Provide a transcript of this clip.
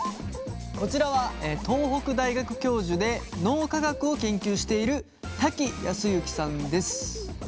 こちらは東北大学教授で脳科学を研究している瀧靖之さんです。